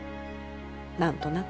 何となく。